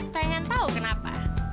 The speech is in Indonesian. pengen tau kenapa